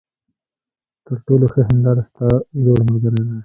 تر ټولو ښه هینداره ستا زوړ ملګری دی.